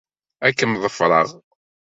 Ad kem-ḍefreɣ.